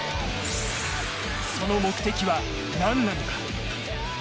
その目的は何なのか？